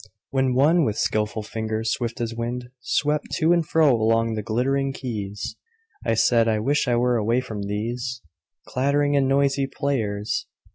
WHEN one with skillful fingers swift as wind Swept to and fro along the glittering keys, I said: I wish I were away from these Clattering and noisy players!